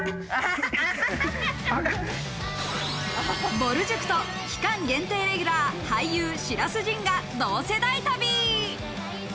ぼる塾と期間限定レギュラー、俳優・白洲迅が同世代旅。